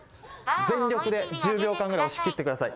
全力で１０秒間ぐらい押し切ってください。